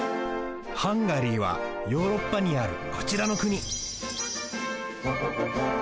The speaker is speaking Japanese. ハンガリーはヨーロッパにあるこちらのくに！